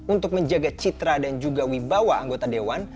untuk menjaga citra dan juga wibawa anggota dewan